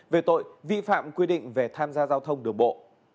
về tội vi phạm quy định về tham gia giao thông đường bộ